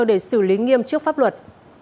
để xử lý nghiêm trước pháp luật